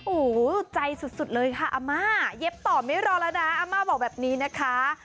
โอ้โหใจสุดเลยค่ะอาม่าเย็บต่อไม่รอแล้วนะอาม่าบอกแบบนี้นะคะ